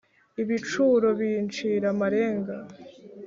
ibicuro bincira amarenga